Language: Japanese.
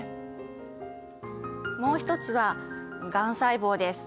もう一つはがん細胞です。